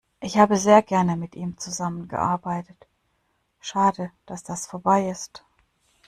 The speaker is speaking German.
Ich habe sehr gerne mit ihm zusammen gearbeitet. Schade, dass das vorbei ist.